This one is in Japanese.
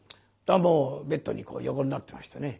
もうベッドにこう横になってましてね。